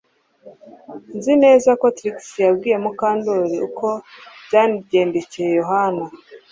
Nzi neza ko Trix yabwiye Mukandoli uko byagendekeye Yohana